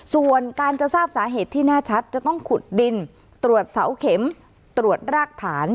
ส่วนการจะทราบสาเหตุที่แน่ชัดจะต้องขุดดินตรวจเสาเข็มตรวจรากฐาน